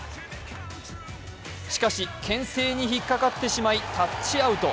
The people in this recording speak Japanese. しかしけん制に引っかかってしまいタッチアウト。